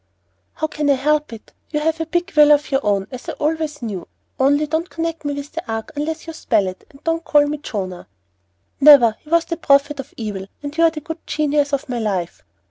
"How can I help it? You have a big will of your own, as I always knew. Only don't connect me with the ark unless you spell it, and don't call me Jonah." "Never! He was the prophet of evil, and you are the good genius of my life."